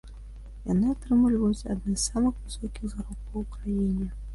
Яны атрымліваюць адны з самых высокіх заробкаў у краіне.